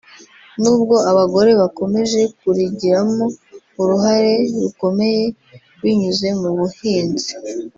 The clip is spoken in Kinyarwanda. nubwo abagore bakomeje kurigiramo uruhare rukomeye binyuze mu buhinzi